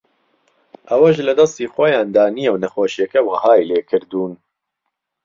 ئەوەش لەدەستی خۆیاندا نییە و نەخۆشییەکە وەهای لێکردوون